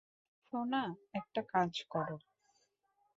সোনা, একটা কাজ কর।